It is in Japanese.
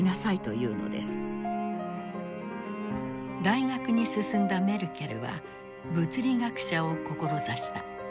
大学に進んだメルケルは物理学者を志した。